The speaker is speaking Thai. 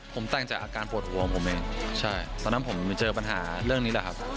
ผมแต่งจากอาการปวดหัวของผมเองใช่ตอนนั้นผมเจอปัญหาเรื่องนี้แหละครับ